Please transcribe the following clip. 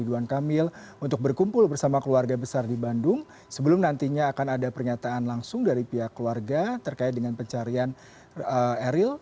ridwan kamil untuk berkumpul bersama keluarga besar di bandung sebelum nantinya akan ada pernyataan langsung dari pihak keluarga terkait dengan pencarian eril